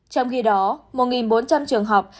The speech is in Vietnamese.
trong khi đó một bốn trăm linh trường học